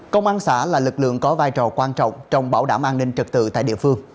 công an xã là lực lượng có vai trò quan trọng trong bảo đảm an ninh trật tự tại địa phương